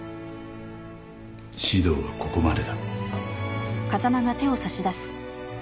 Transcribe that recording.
指導はここまでだ。